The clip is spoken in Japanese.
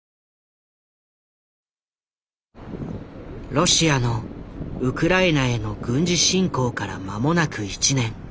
ロシアのウクライナへの軍事侵攻から間もなく１年。